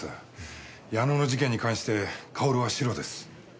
矢野の事件に関してかおるはシロです。